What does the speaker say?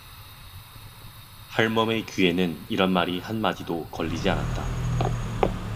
할멈의 귀에는 이런 말이 한 마디도 걸리지 않았다.